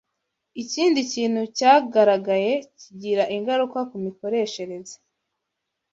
Ikindi kintu cyagaragaye kigira ingaruka kumikoreshereze